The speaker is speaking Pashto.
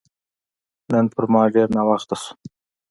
نن پر ما ډېر ناوخته شو